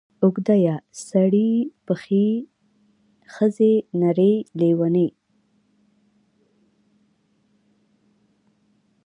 اوږده ې سړې پښې ښځې نرې لېونې